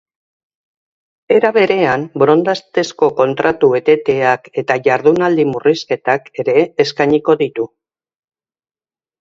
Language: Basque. Era berean, borondatezko kontratu eteteak eta jardunaldi murrizketak ere eskainiko ditu.